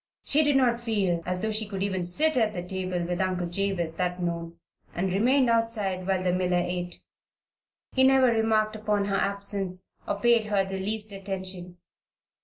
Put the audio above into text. She did not feel as though she could even sit at the table with Uncle Jabez that noon, and remained outside while the miller ate. He never remarked upon her absence, or paid her the least attention.